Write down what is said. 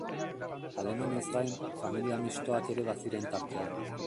Alemanez gain, familia mistoak ere baziren tartean.